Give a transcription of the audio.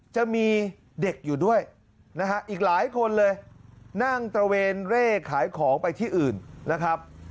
จะมีเด็กอยู่ด้วยนะฮะอีกหลายคนเลยนั่งตระเวนเร่ขายของไปที่อื่นนะครับ